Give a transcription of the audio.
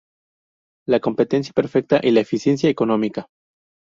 La competencia perfecta y la eficiencia económica.